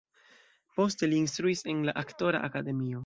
Poste li instruis en la aktora akademio.